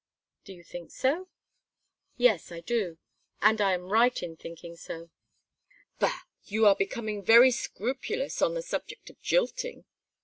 "Do you think so?" "Yes, I do think so and I am right in thinking so." "Bah! you are becoming very scrupulous on the subject of jilting."